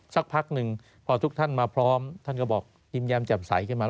สักพักหนึ่งพอทุกท่านมาพร้อมท่านก็บอกยิ้มแย้มแจ่มใสขึ้นมา